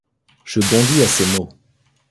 Je bondis à ces mots.